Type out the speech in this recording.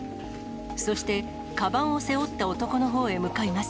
そして、かばんを背負った男のほうへ向かいます。